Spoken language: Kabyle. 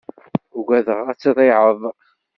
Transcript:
Ugadeɣ ad triεeḍ.